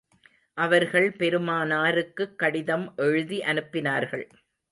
அவர்கள் பெருமானாருக்குக் கடிதம் எழுதி அனுப்பினார்கள்.